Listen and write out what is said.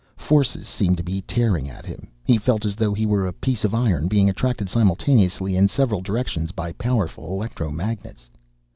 Forces seemed to be tearing at him. He felt as though he were a piece of iron being attracted simultaneously in several directions by powerful electro magnets.